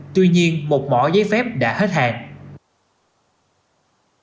tuy nhiên một mỏ giấy phép đã hết hàng